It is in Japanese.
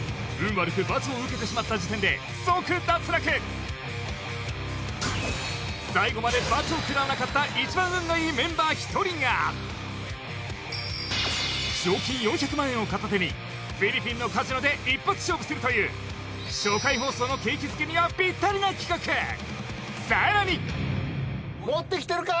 悪く罰を受けてしまった時点で即脱落最後まで罰をくらわなかった一番運がいいメンバー１人が賞金４００万円を片手にフィリピンのカジノで一発勝負するという初回放送の景気づけにはピッタリな企画さらに持ってきてるか？